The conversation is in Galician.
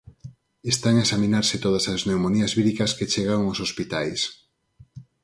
Están a examinarse todas as pneumonías víricas que chegan aos hospitais.